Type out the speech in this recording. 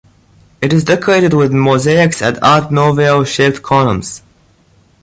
It is decorated with mosaics and Art Nouveau shaped columns.